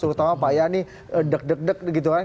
terutama pak yani deg deg deg gitu kan